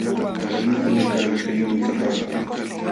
Walmikunakaq lakayuqmi kapaakun.